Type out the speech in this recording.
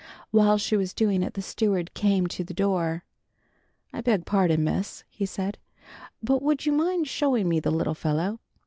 While she was doing it the steward came to the door. "I beg pardon, Miss," he said. "But would you mind showing me the little fellow?